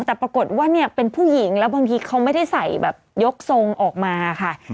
แต่ปรากฏว่าเนี่ยเป็นผู้หญิงแล้วบางทีเขาไม่ได้ใส่แบบยกทรงออกมาค่ะ